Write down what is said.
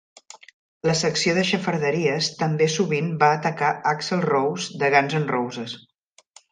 La secció de xafarderies també sovint va atacar Axl Rose de Guns'N'Roses.